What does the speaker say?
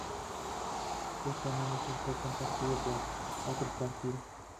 Este análisis fue compartido por otros partidos.